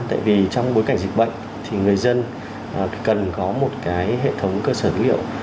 tại vì trong bối cảnh dịch bệnh thì người dân cần có một hệ thống cơ sở dữ liệu